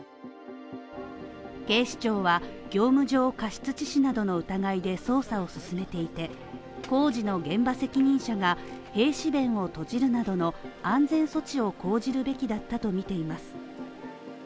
警視庁は業務上過失致死などの疑いで捜査を進めていて、工事の現場責任者が閉止弁を閉じるなどの安全措置を講じるべきだったとみています。